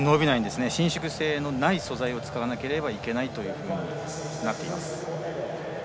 伸縮性のない素材を使わなければいけないというふうになっています。